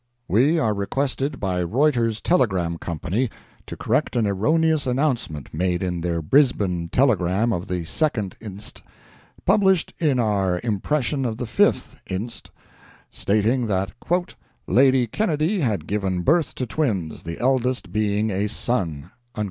We are requested by Reuter's Telegram Company to correct an erroneous announcement made in their Brisbane telegram of the 2d inst., published in our impression of the 5th inst., stating that "Lady Kennedy had given birth to twins, the eldest being a son."